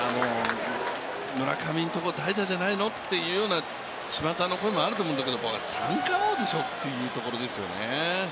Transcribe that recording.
村上のところ、代打じゃないのというちまたの声があるんですけど、三冠王でしょというところですよね。